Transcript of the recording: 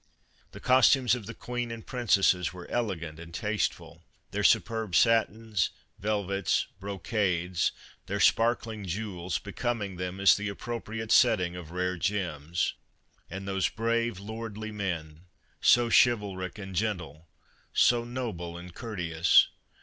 The costumes of the Queen and Princesses were elegant and tasteful, their superb satins, velvets, brocades, their sparkling jewels, be coming them as the appropriate setting of rare gems. And those brave, lordly men! so chivalric and gentle, so noble and courteous.